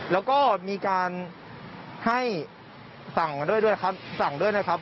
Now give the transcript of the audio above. แล้วก็มีการให้สั่งด้วยนะครับ